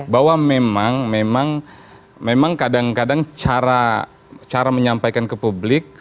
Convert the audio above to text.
bahwa memang memang kadang kadang cara menyampaikan ke publik